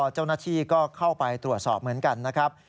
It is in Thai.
เจ้าหน้าที่ก็เข้าไปตรวจสอบเหมือนกันนะครับ